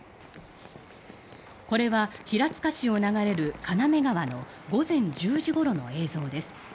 これは平塚市を流れる金目川の午前１０時ごろの映像です。